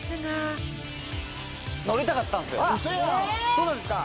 そうなんですか？